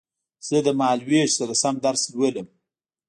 زه د مهال وېش سره سم درس لولم